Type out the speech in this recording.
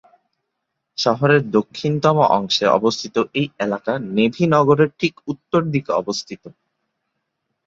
শহরের দক্ষিণতম অংশে অবস্থিত এই এলাকা নেভি নগরের ঠিক উত্তর দিকে অবস্থিত।